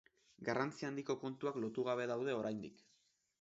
Garrantzi handiko kontuak lotu gabe daude oraindik.